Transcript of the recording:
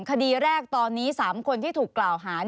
คดีแรกตอนนี้๓คนที่ถูกกล่าวหา